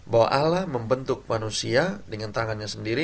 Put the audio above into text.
bahwa ala membentuk manusia dengan tangannya sendiri